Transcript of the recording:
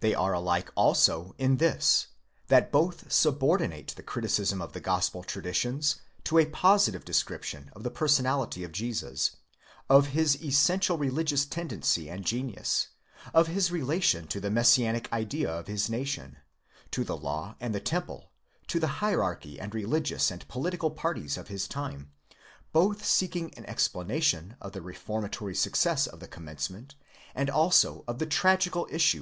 They are alike also in this, that both subordinate the criticism of the gospel 'traditions to a positive description of the personality οἵ Jesus, of his essential religious tendency and genius, of his relation to the Messianic idea of his nation, to the law and the temple, to the hierarchy and religious and political parties of his time, both seeking an explanation of the reformatory success af the commencement, and also of the tragical issue XXil INTRODUCTION.